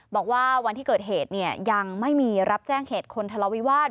บอกว่าวันที่เกิดเหตุยังไม่มีรับแจ้งเหตุคนทะเลาวิวาส